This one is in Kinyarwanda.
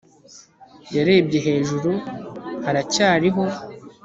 Yarebye hejuru haracyariho